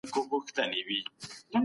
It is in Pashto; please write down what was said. زموږ خلګ د سوکاله ژوند مستحق دي.